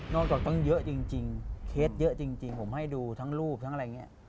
จากตั้งเยอะจริงเคสเยอะจริงผมให้ดูทั้งรูปทั้งอะไรอย่างนี้